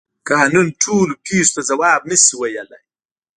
قانون ټولو پیښو ته ځواب نشي ویلی.